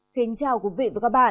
kính chào quý vị và các bạn